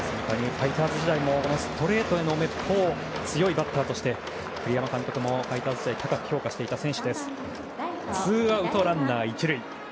ファイターズ時代もストレートにめっぽう強いバッターとして栗山監督もファイターズ時代高く評価していた選手です。